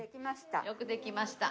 よくできました。